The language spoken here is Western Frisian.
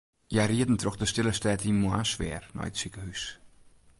Hja rieden troch de stille stêd yn moarnssfear nei it sikehús.